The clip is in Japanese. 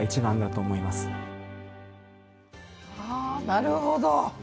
なるほど。